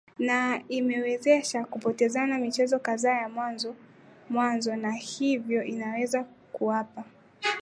na imeweza kupoteza michezo kadhaa ya mwanzo mwanzo na hiyo inaweza kuwapa